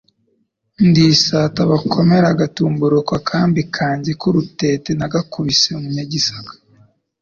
ndi isata bakomera igatumburuka, akambi kanjye k'urutete nagakubise umunyagisaka